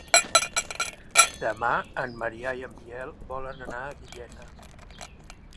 Demà en Maria i en Biel volen anar a Villena.